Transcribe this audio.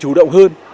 chủ động hơn